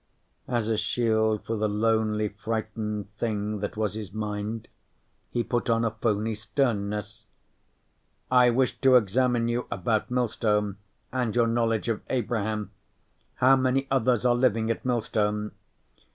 As a shield for the lonely, frightened thing that was his mind, he put on a phony sternness: "I wish to examine you about Millstone and your knowledge of Abraham. How many others are living at Millstone?"